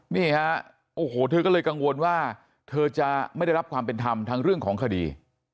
นี่ฮะโอ้โหเธอก็เลยกังวลว่าเธอจะไม่ได้รับความเป็นธรรมทั้งเรื่องของคดี